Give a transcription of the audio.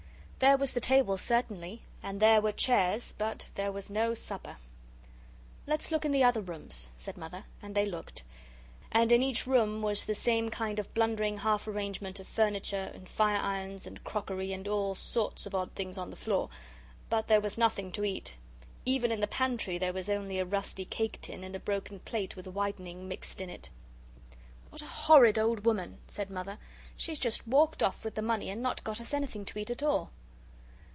There was the table certainly, and there were chairs, but there was no supper. "Let's look in the other rooms," said Mother; and they looked. And in each room was the same kind of blundering half arrangement of furniture, and fire irons and crockery, and all sorts of odd things on the floor, but there was nothing to eat; even in the pantry there were only a rusty cake tin and a broken plate with whitening mixed in it. "What a horrid old woman!" said Mother; "she's just walked off with the money and not got us anything to eat at all."